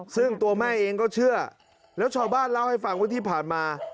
ซึ่งตัวแม่เองก็เชื่อแล้วชาวบ้านเล่าให้ฟังว่าที่ผ่านมา